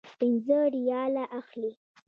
پنځه ریاله اخلي.